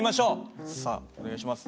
さあお願いします。